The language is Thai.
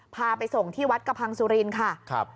พาไปส่งที่วัดกระพังสุรินทร์ค่ะ